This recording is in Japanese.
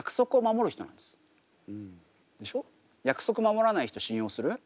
約束守らない人信用する？